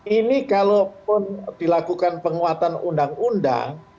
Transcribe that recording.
ini kalaupun dilakukan penguatan undang undang